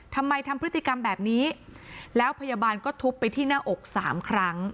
ทำพฤติกรรมแบบนี้แล้วพยาบาลก็ทุบไปที่หน้าอกสามครั้ง